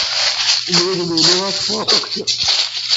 N wudem-inu ad ḍḍfeɣ aṭaksi.